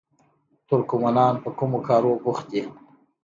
ترکمنان په کومو کارونو بوخت دي؟